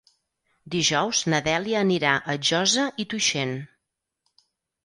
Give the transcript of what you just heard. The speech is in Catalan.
Dijous na Dèlia anirà a Josa i Tuixén.